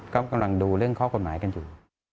ก็กำลังดูเรื่องข้อกฎหมายกันอยู่